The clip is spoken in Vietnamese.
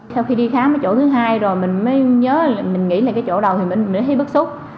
sau khi đi khám ở chỗ thứ hai rồi mình mới nhớ là mình nghĩ là cái chỗ đầu thì mình thấy bất xúc